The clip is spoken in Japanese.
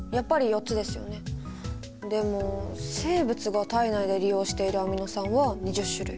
でも生物が体内で利用しているアミノ酸は２０種類。